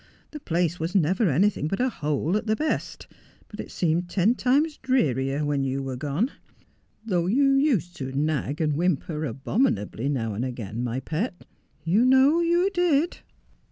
The place was never anything but a hole at the best ; but it seemed ten times drearier when you were gone. Though you used to nag and whimper abomin ably, now and again, my pet — you know you did.'